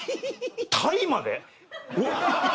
タイまで？